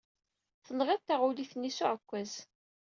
Tenɣid taɣulit-nni s uɛekkaz.